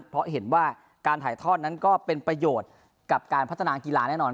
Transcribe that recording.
เพราะเห็นว่าการถ่ายทอดนั้นก็เป็นประโยชน์กับการพัฒนากีฬาแน่นอน